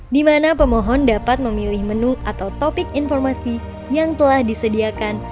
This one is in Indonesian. di mana pemohon dapat memilih menu atau topik informasi yang telah disediakan